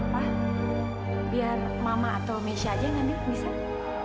pak biar mama atau misha aja yang ambil bisa